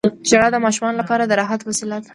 • ژړا د ماشومانو لپاره د راحت یوه وسیله ده.